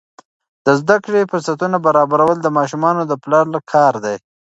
د زده کړې فرصتونه برابرول د ماشومانو د پلار کار دی.